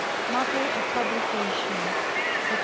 Matter of Publication. Src.